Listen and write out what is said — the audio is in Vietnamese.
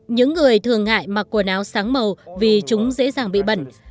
những người thường ngại mặc quần áo sáng màu vì chúng dễ dàng bị bẩn